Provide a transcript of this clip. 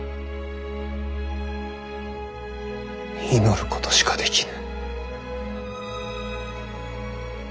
祈ることしかできぬ。